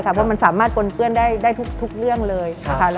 เพราะมันสามารถปนเปื้อนได้ทุกเรื่องเลยนะคะ